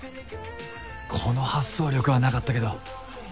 この発想力は無かったけど。